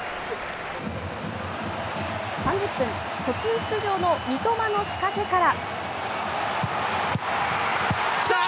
３０分、途中出場の三笘の仕掛けから。